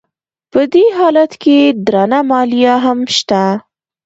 په دې حالت کې درنه مالیه هم شته